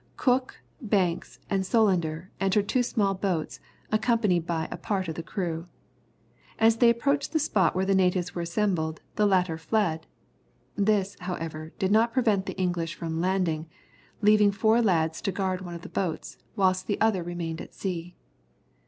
Cook, Banks, and Solander entered two small boats, accompanied by a part of the crew. As they approached the spot where the natives were assembled, the latter fled; this, however, did not prevent the English from landing, leaving four lads to guard one of the boats, whilst the other remained at sea.